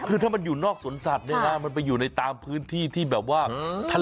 คือถ้ามันอยู่นอกสวนสัตว์เนี่ยนะมันไปอยู่ในตามพื้นที่ที่แบบว่าทะเล